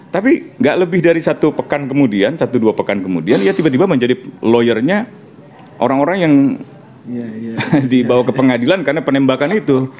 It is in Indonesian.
tapi nggak lebih dari satu pekan kemudian satu dua pekan kemudian ya tiba tiba menjadi lawyernya orang orang yang dibawa ke pengadilan karena penembakan itu